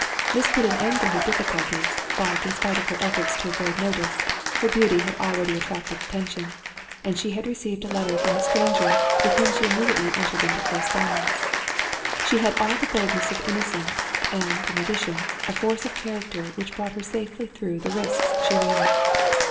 This put an end to her difficulties, but, in spite of her efforts to avoid notice, her beauty had already attracted attention, and she had received a letter from a stranger, with whom she immediately entered into correspondence. She had all the boldness of innocence, and, in addition, a force of character which brought her safely through the risks she ran.